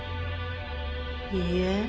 いいえ。